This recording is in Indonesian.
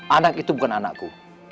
anak itu bukan anakku